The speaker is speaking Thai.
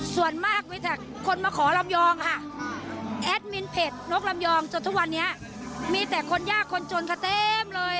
ส่วนมากมีแต่คนมาขอลำยองค่ะแอดมินเพจนกลำยองจนทุกวันนี้มีแต่คนยากคนจนค่ะเต็มเลย